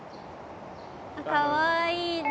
かわいいね。